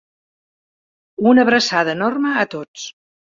Una abraçada enorme a tots.